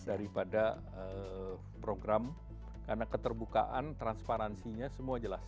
daripada program karena keterbukaan transparansinya semua jelas